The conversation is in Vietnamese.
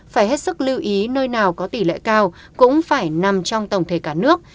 phải hết sức lưu ý nơi nào có tỷ lệ cao cũng phải nằm trong tổng thể cả nước